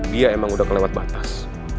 dia emang udah kelewat batas